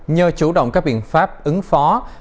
nhờ chủ động các biện pháp ứng phó